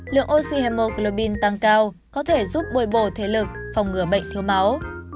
lượng oxyhemoglobin tăng cao có thể giúp bồi bồ thế lực phòng ngừa bệnh thiếu máu